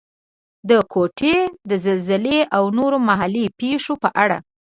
د کوټې د زلزلې او نورو محلي پېښو په اړه.